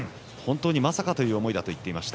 本当にまさかという思いだと話しています。